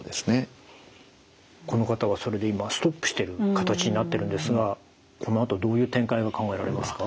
この方はそれで今ストップしている形になっているんですがこのあとどういう展開が考えられますか？